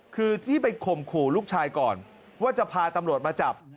คือที่ไปข่มขู่ลูกชายก่อนว่าจะพาตำรวจมาจับ